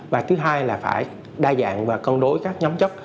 và thứ hai là phải đa dạng và cân đối các nhóm chấp